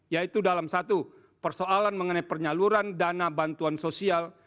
yaitu dalam satu persoalan mengenai penyaluran dana bantuan sosial